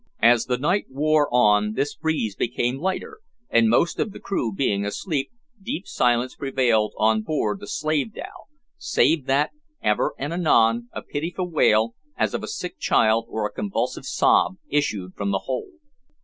As the night wore on this breeze became lighter, and, most of the crew being asleep, deep silence prevailed on board the slave dhow, save that, ever and anon, a pitiful wail, as of a sick child, or a convulsive sob, issued from the hold.